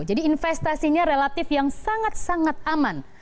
jadi investasinya relatif yang sangat sangat aman